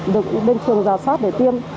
được bên phường rào sát để tiêm